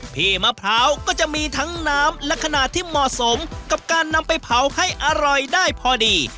พี่มะพร้าวก็จะมีทั้งน้ำและขนาดที่เหมาะสมกับการนำไปเผาให้อร่อยได้พอดี